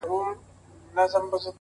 مهرباني بې له لګښته شتمني ده،